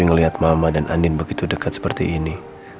ngelihat mama dan anin begitu dekat seperti ini